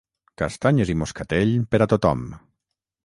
Castanyes i moscatell per a tothom.